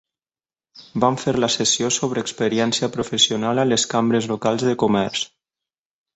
Vam fer la sessió sobre experiència professional a les cambres locals de comerç.